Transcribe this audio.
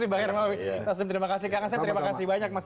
baik terima kasih banyak